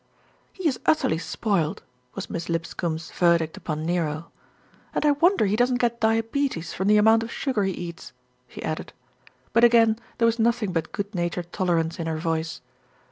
"He is utterly spoiled," was Miss Lipscombe's verdict upon Nero, "and I wonder he doesn't get diabetes from the amount of sugar he eats," she added; but again there was nothing but good natured tolerance in her voice.